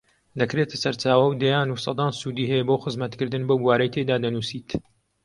دەکرێتە سەرچاوە و دەیان و سەدان سوودی هەیە بۆ خزمەتکردن بەو بوارەی تێیدا دەنووسیت